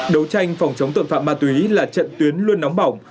đấu tranh phòng chống tội phạm ma túy là trận tuyến luôn nóng bỏng